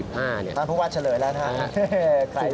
พอผู้ว่าเข้าเลยแล้วครับ